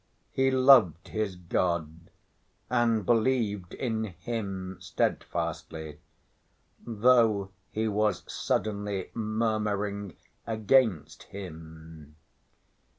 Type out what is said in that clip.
He loved his God and believed in Him steadfastly, though he was suddenly murmuring against Him.